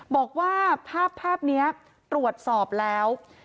บอกว่าภาพนี้ตรวจสอบแล้ว